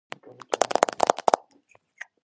მარი იყო მონტესპიერის ჰერცოგინია.